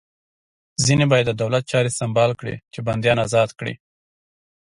ځینې باید د دولت چارې سمبال کړي چې بندیان ازاد کړي